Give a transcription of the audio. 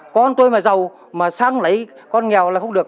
con tôi mà giàu mà sang lấy con nghèo là không được